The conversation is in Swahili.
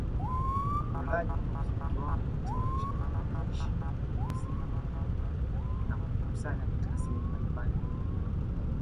Ulaji unaozidi kiwango husababisha virutubishi kuzidi mwilini na kujikusanya katika sehemu mbalimbali za mwili